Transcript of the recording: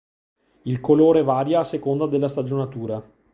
Il colore varia a seconda della stagionatura.